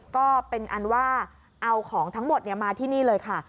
ก็เป็นอันว่าเอาของทั้งหมดมาที่นี่เลยค่ะ